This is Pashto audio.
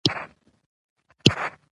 نظامي جنرالانو